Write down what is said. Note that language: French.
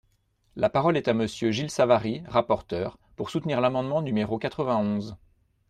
La parole est à Monsieur Gilles Savary, rapporteur, pour soutenir l’amendement numéro quatre-vingt-onze.